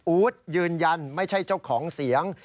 อู๊ดยืนยันไม่ใช่เจ้าของเสียง